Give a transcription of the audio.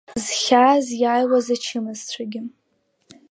Зхьаа зиааиуаз ачымазцәагьы…